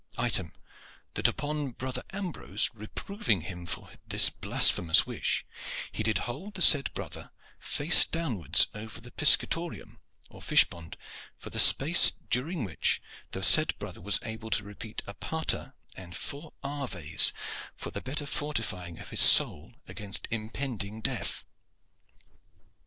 Item, that upon brother Ambrose reproving him for this blasphemous wish, he did hold the said brother face downwards over the piscatorium or fish pond for a space during which the said brother was able to repeat a pater and four aves for the better fortifying of his soul against impending death."